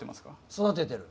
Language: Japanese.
育ててる。